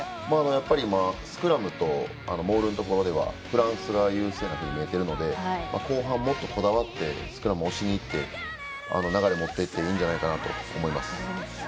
やっぱりスクラムとモールのところではフランスが優勢になっているように見えているので後半もっとこだわってスクラム押しに行って流れを持っていっていいんじゃないかと思います。